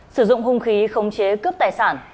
sử dụng hung khí không chế cướp tài sản